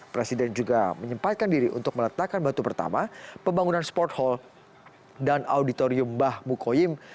presiden juga menyempatkan diri untuk meletakkan batu pertama pembangunan sport hall dan auditorium mbah mukoyim